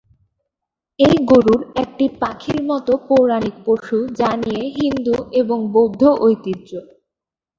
এই গরুড় একটি পাখির মতো পৌরাণিক পশু যা নিয়ে হিন্দু এবং বৌদ্ধ ঐতিহ্য।